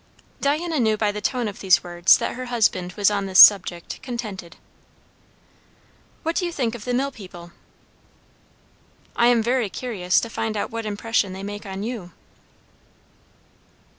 Diana knew by the tone of these words that her husband was on this subject contented. "What do you think of the mill people?" "I am very curious to find out what impression they make on you."